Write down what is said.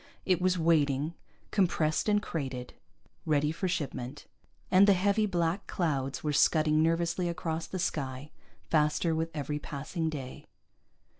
It was waiting, compressed and crated, ready for shipment, and the heavy black clouds were scudding nervously across the sky, faster with every passing day.